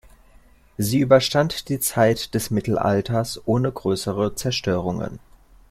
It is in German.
Sie überstand die Zeit des Mittelalters ohne größere Zerstörungen.